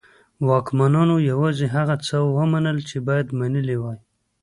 واکمنانو یوازې هغه څه ومنل چې باید منلي وای.